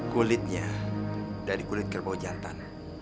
kulitnya dari kulit kerbau jantan